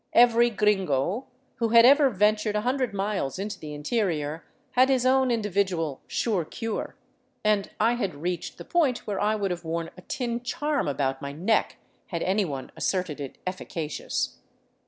Every gringo who had ever ventured a hundred miles into the interior had his own individual " sure cure "; and I had reached the point where I would have worn a tin charm about my neck, had anyone asserted it efficacious.